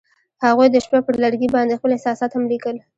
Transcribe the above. هغوی د شپه پر لرګي باندې خپل احساسات هم لیکل.